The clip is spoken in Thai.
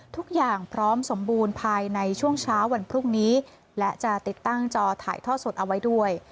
ทุกอย่างพร้อมสมบูรณ์ภายในช่วงเช้าวันพรุ่งนี้และจะติดตั้งจอถ่ายทอดสดเอาไว้ด้วย